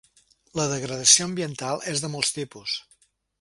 La degradació ambiental és de molts tipus.